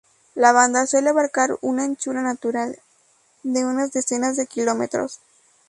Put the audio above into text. La banda suele abarcar una anchura natural de unas decenas de kilómetros.